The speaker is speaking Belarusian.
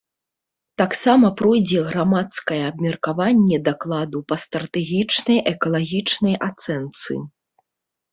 Таксама пройдзе грамадскае абмеркаванне дакладу па стратэгічнай экалагічнай ацэнцы.